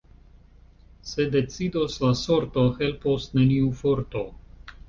Se decidos la sorto, helpos neniu forto.